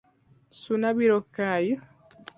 Suna biro kayi